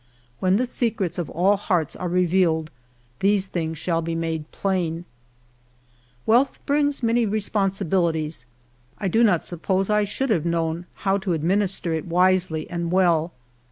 When the secrets of all hearts are revealed these things shall be made plain. Wealth brings great responsibilities; I do not suppose I should have known how to administer it wisely and well.